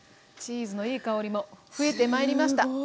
チーズのいい香りも増えてまいりました。